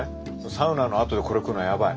サウナのあとでこれ食うのはやばい。